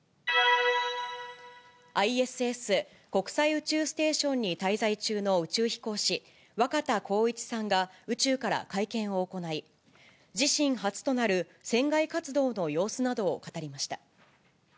ＩＳＳ・国際宇宙ステーションに滞在中の宇宙飛行士、若田光一さんが宇宙から会見を行い、自身初となる船外活動の様子などを語りました。